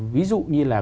ví dụ như là